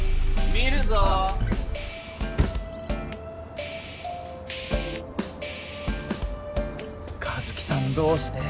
見るぞ・一輝さんどうして。